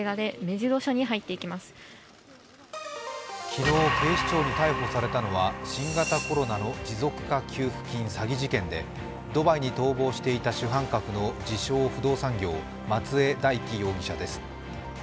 昨日、警視庁に逮捕されたのは新型コロナの持続化給付金詐欺事件でドバイに逃亡していた主犯格の自称・不動産業、松江大樹容疑者です。